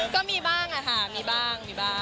ก็มีบ้างอะค่ะมีบ้าง